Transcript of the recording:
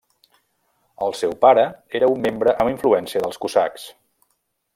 El seu pare era un membre amb influència dels cosacs.